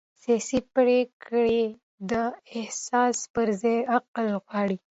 سیاسي پرېکړې د احساس پر ځای عقل غواړي